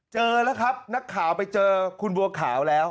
เจอแล้วครับนักข่าวไปเจอคุณบัวขาวแล้ว